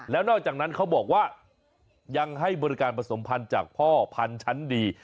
แล้วนอกจากนั้นเขาบอกว่ายังให้บริการผสมพันธ์จากพ่อพันธุ์ชั้นดี